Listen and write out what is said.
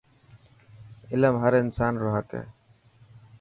علم هر انسان رو حق هي.